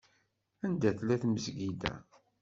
Anda tella tmezgida?